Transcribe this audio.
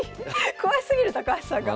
詳しすぎる高橋さんが。